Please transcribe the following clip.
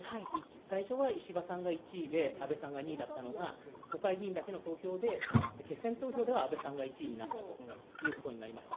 最初は石破さんが１位で安倍さんが２位だったのが国会議員だけの投票で、決選投票では安倍さんが１位になったということになりました。